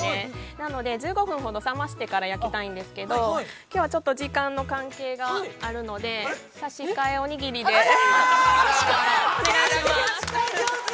なので、１５分ほど冷ましてから焼きたいんですけどきょうはちょっと時間の関係があるので、差し替えおにぎりでお願いします。